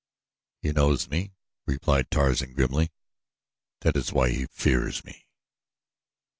"He knows me," replied Tarzan, grimly "that is why he fears me."